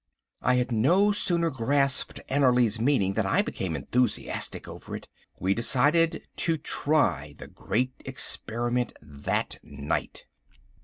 I had no sooner grasped Annerly's meaning than I became enthusiastic over it. We decided to try the great experiment that night.